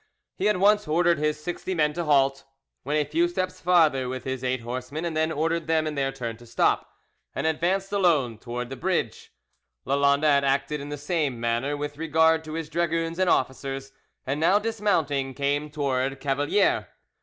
He at once ordered his sixty men to halt, went a few steps farther with his eight horsemen, and then ordered them in their turn to stop, and advanced alone towards the bridge. Lalande had acted in the same manner with regard to his dragoons and officers, and now dismounting, came towards Cavalier.